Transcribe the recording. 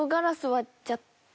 割っちゃった。